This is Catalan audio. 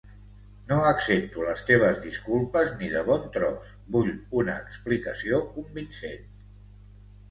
No accepto les teves disculpes ni de bon tros. Vull una explicació convincent.